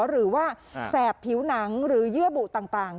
หรือว่าแสบผิวหนังหรือเยื่อบุต่าง